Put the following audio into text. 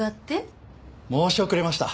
申し遅れました。